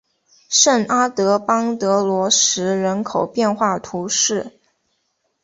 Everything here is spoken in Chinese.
圣阿勒邦德罗什人口变化图示